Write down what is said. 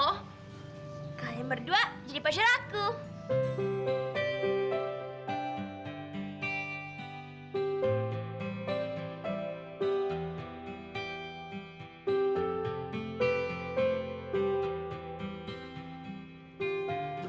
oh kalian berdua jadi pasir aku